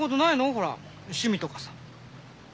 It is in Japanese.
ほら趣味とかさ。